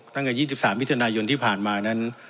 ตั้งแต่๒๓มิถุนายนที่ผ่านมานั้น